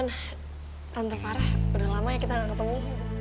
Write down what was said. tante farah udah lama ya kita gak ketemu